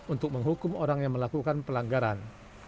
untuk menghukum orang yang melakukan pelanggaran